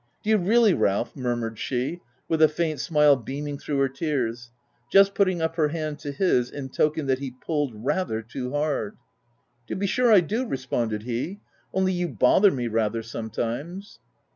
"Do you really, Ralph?" murmured she OF WILDFELL HALL 257 with a faint smile beaming through her tears, just putting up her hand to his, in token that he pulled rather too hard. "To be sure I do/' responded he: " only you bother me rather, sometimes."